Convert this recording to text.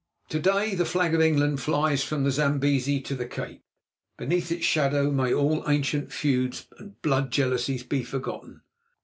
To day the flag of England flies from the Zambesi to the Cape. Beneath its shadow may all ancient feuds and blood jealousies be forgotten.